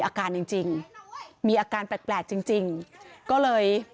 นักข่าวของเราบอกว่าเป็นภาษาอะไรฟังไม่ออกเลย